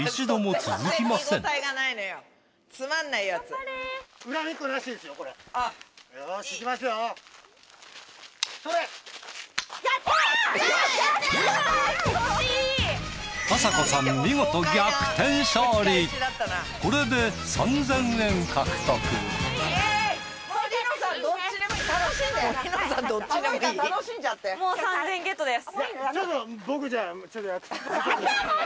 もう３，０００円ゲットです。